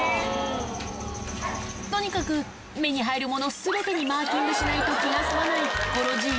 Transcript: とにかく、目に入るものすべてにマーキングしないと気が済まないゴロじい。